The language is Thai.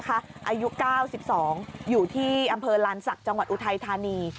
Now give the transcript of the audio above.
อายุ๙๒อยู่ที่อำเภอลานศักดิ์จังหวัดอุทัยธานี